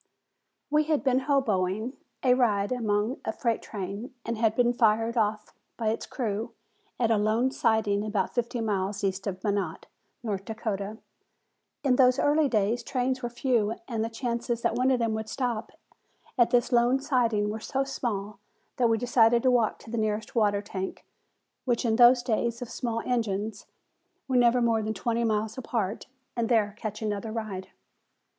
We had been "hoboing" a ride upon a freight train and had been fired off by its crew at a lone siding about fifty miles east of Minot, North Dakota. In those early days trains were few and the chances that one of them would stop at this lone siding were so small that we decided to walk to the nearest water tank, which in those days of small engines were never more than twenty miles apart, and there catch another ride.